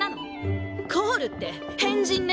コールって変人ね。